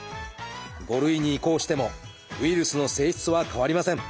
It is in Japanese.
５類に移行してもウイルスの性質は変わりません。